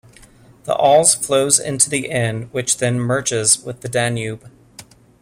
The Alz flows into the Inn which then merges with the Danube.